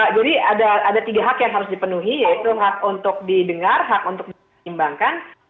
jadi ada tiga hak yang harus dipenuhi yaitu hak untuk didengar hak untuk disimbangkan